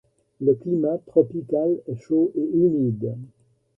Le climat tropical est chaud et humide.